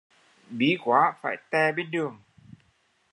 Bí quá phải tè bên đường